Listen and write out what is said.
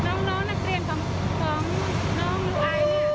น้องนักเรียนของน้องลูอายเนี่ย